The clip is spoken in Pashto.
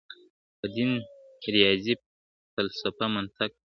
په دين، رياضي، فلسفه، منطق